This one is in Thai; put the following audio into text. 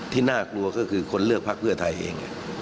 น่ากลัวก็คือคนเลือกพักเพื่อไทยเอง